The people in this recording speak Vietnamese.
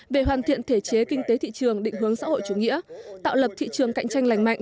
về hoàn thiện thể chế kinh tế thị trường định hướng xã hội chủ nghĩa tạo lập thị trường cạnh tranh lành mạnh